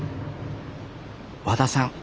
和田さん